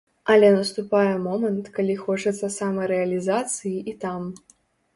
Але наступае момант, калі хочацца самарэалізацыі і там.